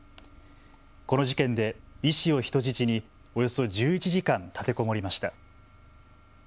この事件で医師を人質におよそ１１時間立てこもりました。